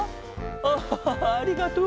ああありがとう。